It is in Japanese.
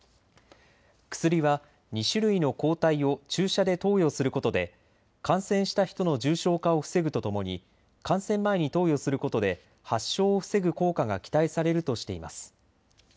薬は２種類の抗体を注射で投与することで感染した人の重症化を防ぐとともに感染前に投与することで発症を防ぐ効果が期待されるとしています。